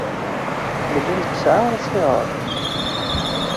Nella nesɛa asihaṛ.